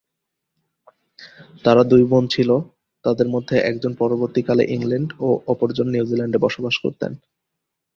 তার দুই বোন ছিল, তাদের মধ্যে একজন পরবর্তীকালে ইংল্যান্ডে ও অপরজন নিউজিল্যান্ডে বসবাস করতেন।